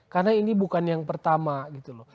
karena ini bukan yang pertama gitu loh